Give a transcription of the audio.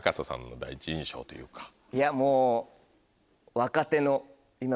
いやもう。